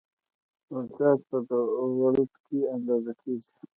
ولتاژ په ولټ کې اندازه کېږي.